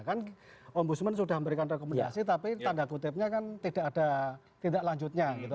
kan ombudsman sudah memberikan rekomendasi tapi tanda kutipnya kan tidak ada tindak lanjutnya gitu